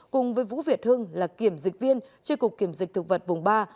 cùng với vũ việt hưng là kiểm dịch viên tri cục kiểm dịch thực vật vùng ba